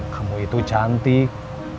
kamu itu cantik